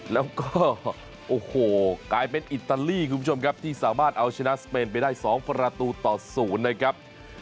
แล้วก็โอ้โหกลายเป็นอิตาลีคุณผู้ชมครับที่สามารถเอาชนะสเปนไปได้๒ประตูต่อ๐นะครับ